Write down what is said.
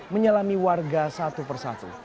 menyelami warga satu persatu